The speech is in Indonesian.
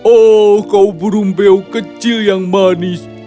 oh kau burung beau kecil yang manis